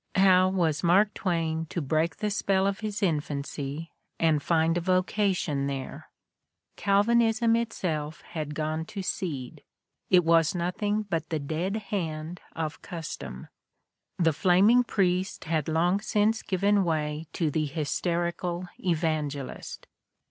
How was Mark Twain to break the spell of his infancy and find a vocation there ? Calvinism itself had gone to seed : it was nothing but the dead hand of cus tom; the flaming priest had long since given way to the hysterical evangelist.